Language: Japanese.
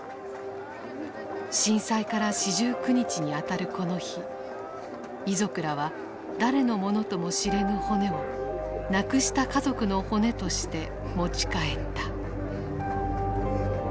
震災から四十九日にあたるこの日遺族らは誰のものとも知れぬ骨を亡くした家族の骨として持ち帰った。